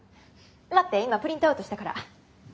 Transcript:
待って今プリントアウトしたから。